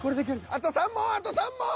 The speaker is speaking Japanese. あと３問あと３問！